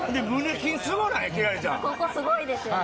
ほんで、ここすごいですよね。